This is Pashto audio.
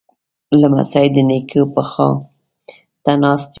لمسی د نیکه پښو ته ناست وي.